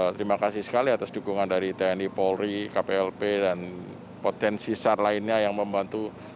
terima kasih sekali atas dukungan dari tni polri kplp dan potensi sar lainnya yang membantu